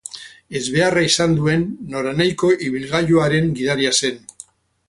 Ezbeharra izan duen noranahiko ibilgailuaren gidaria zen.